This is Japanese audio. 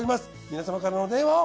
皆様からのお電話を。